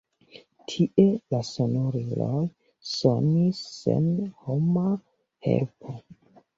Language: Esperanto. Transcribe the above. Tie la sonoriloj sonis sen homa helpo.